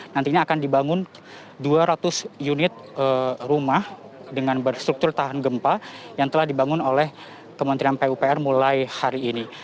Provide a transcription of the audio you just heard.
nantinya akan dibangun dua ratus unit rumah dengan berstruktur tahan gempa yang telah dibangun oleh kementerian pupr mulai hari ini